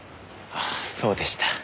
ああそうでした。